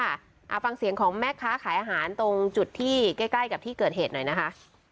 เอาฟังเสียงของแม่ค้าขายอาหารตรงจุดที่ใกล้ใกล้กับที่เกิดเหตุหน่อยนะคะ